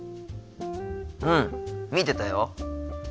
うん見てたよ。